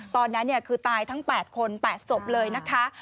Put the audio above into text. ตอนนั้นคือตายทั้ง๘คน๘ศพเลยนะคะ